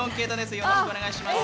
よろしくお願いします。